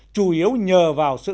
chủ yếu nhờ vào sự